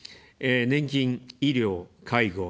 年金・医療・介護。